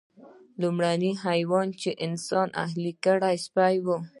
لومړنی حیوان چې انسان اهلي کړ سپی و.